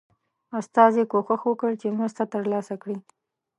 استازي کوښښ وکړ چې مرسته ترلاسه کړي.